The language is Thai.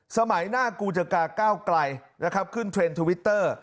สมัยหน้ากูจกาก้าวไกลนะครับขึ้นเทรนด์ทวิตเตอร์